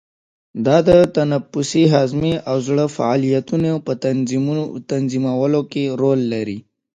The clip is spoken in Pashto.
دا د تنفسي، هضمي او زړه فعالیتونو په تنظیمولو کې رول لري.